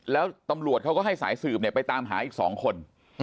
แล้วตำรวจเขาก็ให้สายสืบไปตามหาอีก๒คน